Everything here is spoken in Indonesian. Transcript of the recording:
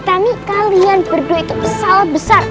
kami kalian berdua itu salah besar